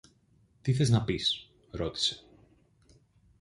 Τι θες να πεις; ρώτησε.